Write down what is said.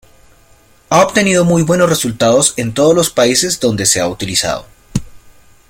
Ha obtenido muy buenos resultados en todos los países donde se ha utilizado.